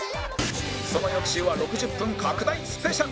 その翌週は６０分拡大スペシャル